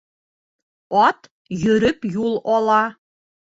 Ат йөрөп юл ала.